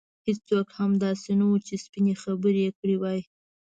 هېڅوک هم داسې نه وو چې سپینې خبرې یې کړې وای.